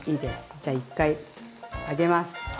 じゃあ一回上げます。